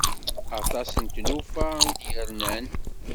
Aṭas n tlufa i d-yernan.